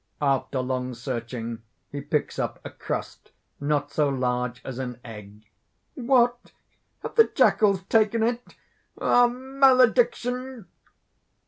(After long searching, he picks up a crust not so large as an egg.) "What? Have the jackals taken it? Ah! malediction!"